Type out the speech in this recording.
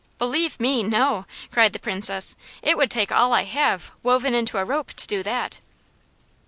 "Believe me, no!" cried the Princess. "It would take all I have, woven into a rope, to do that."